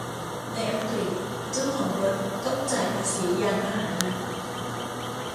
ในอังกฤษ เจ้าของรถต้องจ่ายภาษียานพาหนะ